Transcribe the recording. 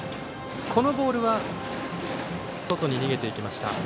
このボールは外に逃げていきました。